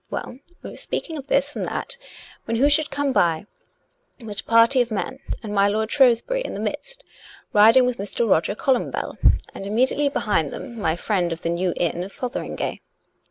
Well; we were speaking of this and that, when who should come by but a party of men and my lord Shrewsbury in the midst, riding with Mr. Roger Columbell; and immediately behind them my friend of the ' New Inn ' of Fotheringay.